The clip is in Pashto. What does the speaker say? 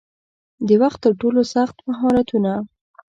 د وخت ترټولو سخت مهارتونه